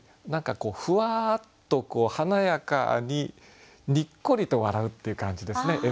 何かこうふわっと華やかににっこりと笑うっていう感じですね。